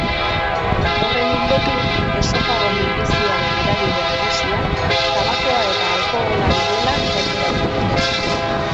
Horren ildotik, esofago minbiziaren eragile nagusiak tabakoa eta alkohola direla gaineratu dute.